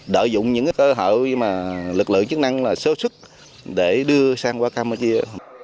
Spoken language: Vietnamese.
đợi dụng những cơ hội mà lực lượng chức năng sơ sức để đưa sang campuchia